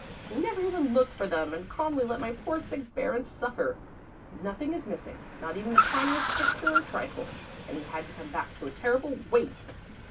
He never even looked for them and calmly let my poor sick Baron suffer. Nothing is missing, not even the tiniest picture or trifle, and he had to come back to a terrible waste!